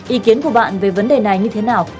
ý kiến của bạn về vấn đề này như thế nào